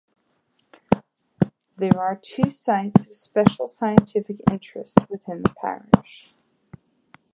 There are two Sites of Special Scientific Interest within the Parish.